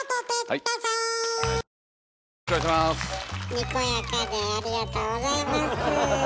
にこやかでありがとうございます。